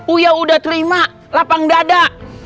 uya udah terima lapang dada